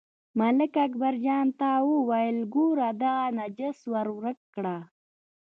ملک اکبرجان ته وویل، ګورئ دغه نجس ورک کړئ.